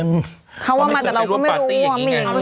อืมเขาว่ามาแต่เราก็ไม่รู้ว่ามีแบบนี้